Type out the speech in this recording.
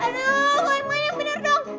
aduh why my yang bener dong